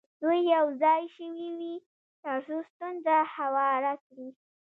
دوی یو ځای شوي وي تر څو ستونزه هواره کړي.